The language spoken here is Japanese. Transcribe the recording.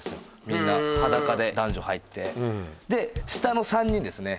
みんな裸で男女入ってで下の３人ですね